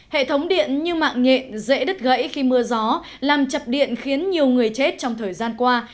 hệ thống điện như mạng nhện dễ đất gãy khi mưa gió làm chập điện khiến nhiều người chết trong thời gian qua